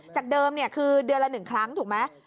จากเดิมคือเดือนละ๑ครั้งถูกไหม